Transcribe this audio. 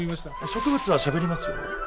植物はしゃべりますよ。